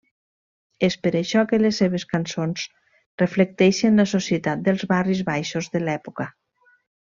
És per això que les seves cançons reflecteixen la societat dels barris baixos de l'època.